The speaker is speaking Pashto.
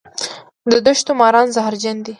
د دښتو ماران زهرجن دي